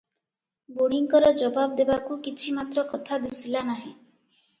ବୁଢ଼ୀଙ୍କର ଜବାବ ଦେବାକୁ କିଛି ମାତ୍ର କଥା ଦିଶିଲା ନାହିଁ ।